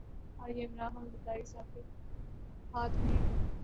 آج یہ عمران خان اور زرداری صاحب کے ہاتھ میں ہے۔